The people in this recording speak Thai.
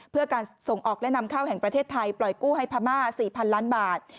เพื่อการส่งออกและนำเข้าแห่งประเทศไทยปล่อยกู้ให้พม่า๔๐๐๐ล้านบาท